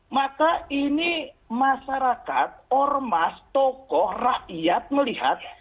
maka ini masyarakat ormas tokoh rakyat melihat